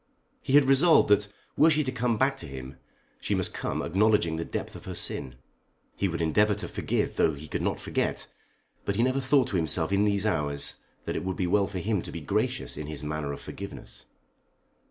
He had resolved that were she to come back to him she must come acknowledging the depth of her sin. He would endeavour to forgive though he could not forget; but he never thought to himself in these hours that it would be well for him to be gracious in his manner of forgiveness.